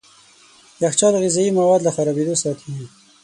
يخچال غذايي مواد له خرابېدو ساتي.